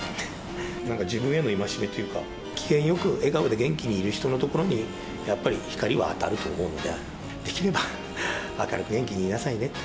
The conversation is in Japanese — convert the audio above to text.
なんか自分への戒めというか、機嫌よく、笑顔で元気にいる人の所にやっぱり光は当たると思うんで、できれば明るく、元気にいなさいねって。